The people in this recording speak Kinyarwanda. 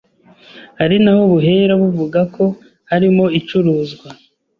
ari naho buhera buvuga ko harimo icuruzwa